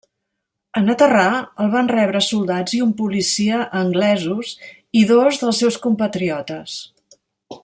En aterrar el van rebre soldats i un policia anglesos i dos dels seus compatriotes.